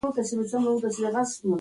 هغوی له احمدشاه سره راغلي دي.